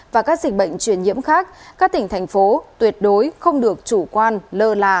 và các dịch bệnh truyền nhiễm khác các tỉnh thành phố tuyệt đối không được chủ quan lơ là